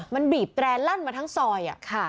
มันบีบแตร่ลั่นมาทั้งซอย